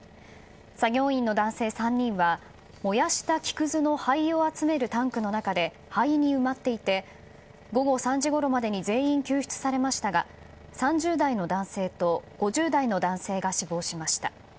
作業員の男性３人は燃やした木くずの灰を集めるタンクの中で灰に埋まっていて午後３時ごろまでに全員救出されましたが３０代の男性と５０代の男性が死亡しました。